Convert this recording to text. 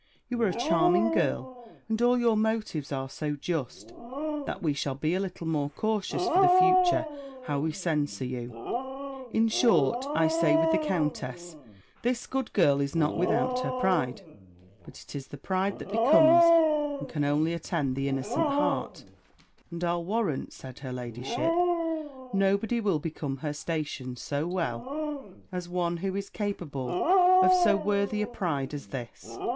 You are a charming girl, and all your motives are so just, that we shall be a little more cautious for the future how we censure you. In short, I say with the countess, "This good girl is not without her pride; but it is the pride that becomes, and can only attend the innocent heart; and I'll warrant," said her ladyship, "nobody will become her station so well, as one who is capable of so worthy a pride as this."